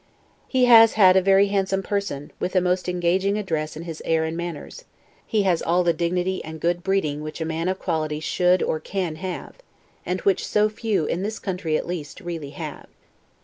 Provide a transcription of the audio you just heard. He has had a very handsome person, with a most engaging address in his air and manners; he has all the dignity and good breeding which a man of quality should or can have, and which so few, in this country at least, really have.